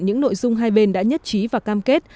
những nội dung hai bên đã nhất trí và cam kết